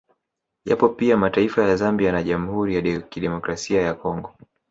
Yapo pia mataifa ya Zambia na Jamhuri ya kidemokrasia ya Congo